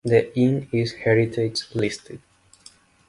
The inn is heritage listed.